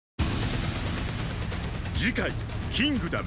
次回「キングダム」